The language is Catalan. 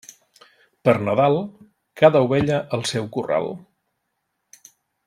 Per Nadal, cada ovella al seu corral.